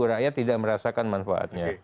rakyat tidak merasakan manfaatnya